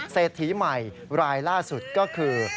เศรษฐีใหม่รายล่าสุดก็คือ